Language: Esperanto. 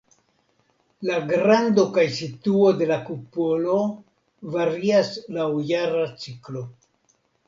La grando kaj situo de la kupolo varias laŭ jara ciklo.